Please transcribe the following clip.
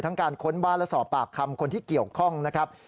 การค้นบ้านและสอบปากคำคนที่เกี่ยวข้องนะครับ